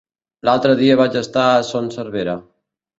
L'altre dia vaig estar a Son Servera.